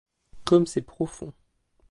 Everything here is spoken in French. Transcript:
Comme c'est profond!